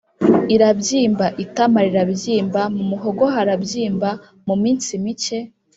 irabyimba, itama rirabyimba, mu muhogo harabyimba, mu minsi mike